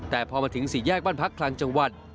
แต่พอมาถึงสี่แยกบ้านพักคลังจังหวัด